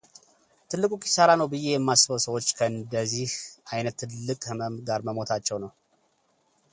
ትልቁ ኪሳራ ነው ብዬ የማስበው ሰዎች ከእንደዚህ አይነት ጥልቅ ህመም ጋር መሞታቸው ነው።